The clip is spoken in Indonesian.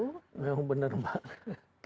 ya benar mbak